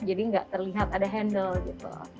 jadi nggak terlihat ada handle gitu